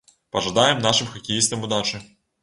Пажадаем нашым хакеістам удачы!